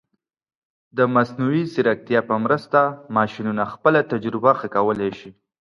د مصنوعي ځیرکتیا په مرسته، ماشینونه خپله تجربه ښه کولی شي.